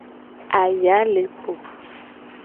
Aya le po.